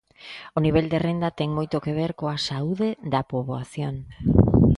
O nivel de renda ten moito que ver coa saúde da poboación.